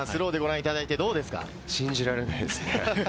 信じられないですね。